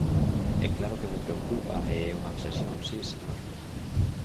E claro que me preocupa e é unha obsesión, si, señor.